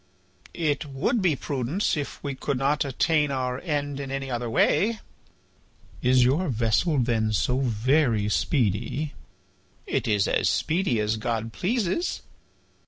"It would be prudence if we could not attain our end in any other way." "Is your vessel then so very speedy?" "It is as speedy as God pleases."